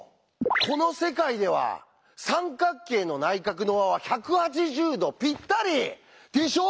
この世界では三角形の内角の和は１８０°ぴったり！でしょ？